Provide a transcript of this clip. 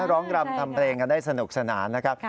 ร้องรำทำเพลงกันได้สนุกสนานนะครับ